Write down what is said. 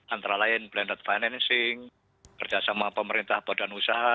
antara lain blended financing kerjasama pemerintah badan usaha